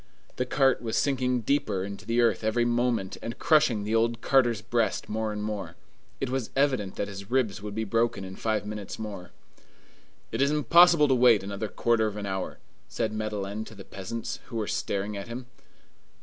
The cart was sinking deeper into the earth every moment, and crushing the old carter's breast more and more. It was evident that his ribs would be broken in five minutes more. "It is impossible to wait another quarter of an hour," said Madeleine to the peasants, who were staring at him.